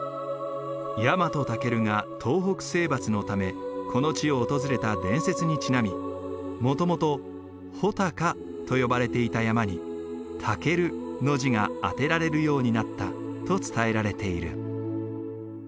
ヤマトタケルが東北征伐のためこの地を訪れた伝説にちなみもともとホタカと呼ばれていた山にタケルの字があてられるようになったと伝えられている。